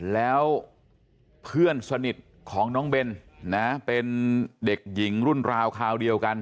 แล้วเพื่อนสนิทของน้องเบนนะเป็นเด็กหญิงรุ่นราวคราวเดียวกัน